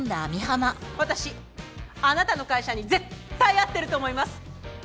私あなたの会社に絶対合ってると思います！